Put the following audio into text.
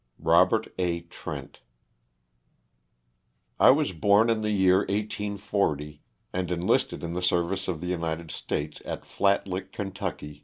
ROBERT A. TRENT. T WAS born in the year 1840, and enlisted in the ^ service of the United States at Flatlick, Ky.